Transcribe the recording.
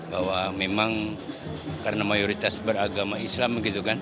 bahwa memang karena mayoritas beragama islam